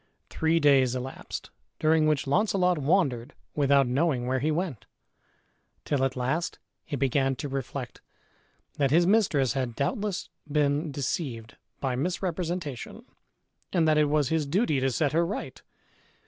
Three days elapsed, during which Launcelot wandered without knowing where he went, till at last he began to reflect that his mistress had doubtless been deceived by misrepresentation, and that it was his duty to set her right.